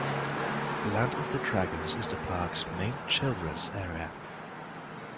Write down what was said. Land of the Dragons is the park's main children's area.